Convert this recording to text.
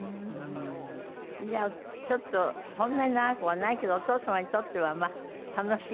じゃあちょっとそんなに長くはないけどお父様にとってはまあ楽しい。